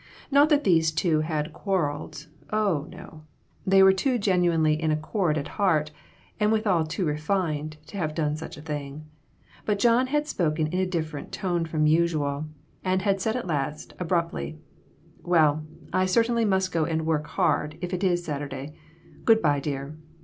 Not that these two had quar reled ; oh, no. They were too genuinely in accord at heart, and withal too refined, to have done such a thing. But John had spoken in a different tone from usual, and had said at last, abruptly " Well, I certainly must go and work hard, if it is Saturday. Good by, dear."